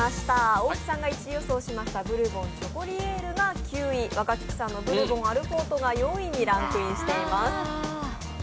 大木さんが１位予想しましたブルボンチョコリエールが９位、若槻さんのブルボンアルフォートが４位にランクインしています。